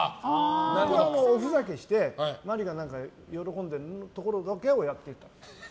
僕はおふざけして麻里が喜んでいるところだけをやってたんです。